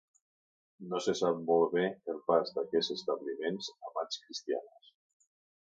No se sap molt bé el pas d'aquests establiments a mans cristianes.